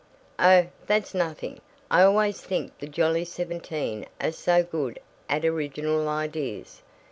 "Oh, that's nothing. I always think the Jolly Seventeen are so good at original ideas.